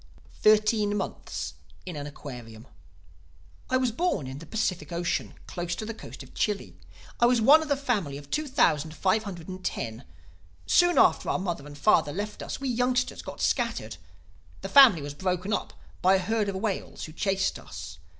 THIRTEEN MONTHS IN AN AQUARIUM "I was born in the Pacific Ocean, close to the coast of Chile. I was one of a family of two thousand five hundred and ten. Soon after our mother and father left us, we youngsters got scattered. The family was broken up—by a herd of whales who chased us.